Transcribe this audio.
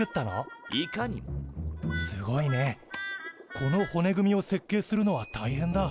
この骨組みを設計するのは大変だ。